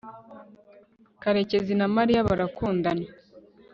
karekezi na mariya barakundana